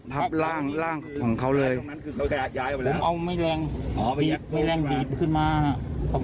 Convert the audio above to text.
พรุ่งเอาไม่แรงสีแรงดีดขึ้นมาครับถุง